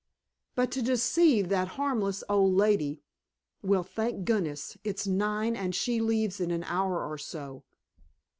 "But to deceive that harmless old lady well, thank goodness, it's nine, and she leaves in an hour or so."